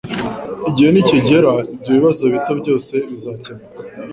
Igihe nikigera ibyo bibazo bito byose bizakemuka